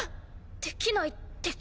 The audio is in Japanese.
できないです。